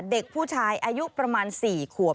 เด็กผู้ชายอายุประมาณ๔ขวบ